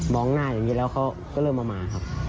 องหน้าอย่างนี้แล้วเขาก็เริ่มเอามาครับ